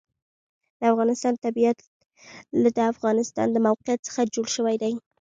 د افغانستان طبیعت له د افغانستان د موقعیت څخه جوړ شوی دی.